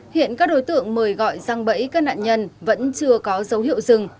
hiện các đối tượng mời gọi răng bẫy các nạn nhân vẫn chưa có dấu hiệu dừng